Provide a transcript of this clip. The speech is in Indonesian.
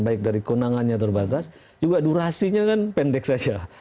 baik dari kenangannya terbatas juga durasinya kan pendek saja